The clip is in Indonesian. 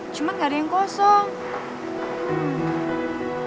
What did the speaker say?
cuma gak ada yang kosong